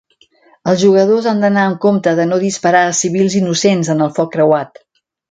Els jugadors han d'anar amb compte de no disparar a civils innocents en el foc creuat.